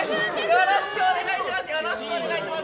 よろしくお願いします！